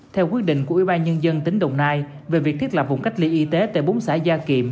theo quyết định của ubnd tỉnh đồng nai về việc thiết lập vùng cách ly y tế tại bốn xã gia kiệm